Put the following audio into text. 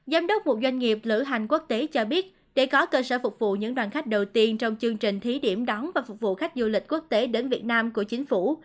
giám đốc một doanh nghiệp lữ hành quốc tế cho biết để có cơ sở phục vụ những đoàn khách đầu tiên trong chương trình thí điểm đón và phục vụ khách du lịch quốc tế đến việt nam của chính phủ